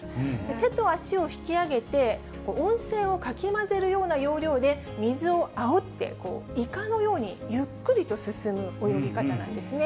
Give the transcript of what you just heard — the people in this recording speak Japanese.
手と足を引き上げて、おんせんをかき混ぜるような要領で水をあおって、イカのようにゆっくりと進む泳ぎ方なんですね。